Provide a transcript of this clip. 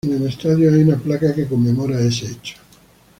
En el estadio hay una placa que conmemora ese hecho.